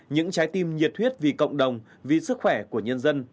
những trái tim nhiệt huyết vì cộng đồng vì sức khỏe của nhân dân